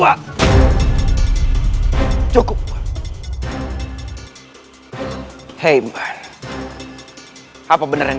atau ku kita wars stubborn